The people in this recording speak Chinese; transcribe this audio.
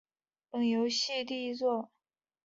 本游戏也是阿历克斯小子系列第一作。